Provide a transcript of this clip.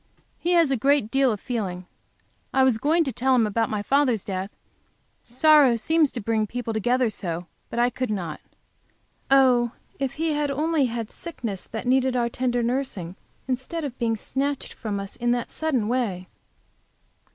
He has a great deal of feeling. I was going to tell him about my father's death, sorrow seems to bring people together so, but I could not. Oh, if he had only had a sickness that needed our tender nursing, instead of being snatched from us in that sudden way!